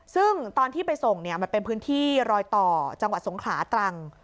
ซึ่งตอนที่ไปส่งมันเป็นพื้นที่รอยต่อจังหวัดสงขลาตรัง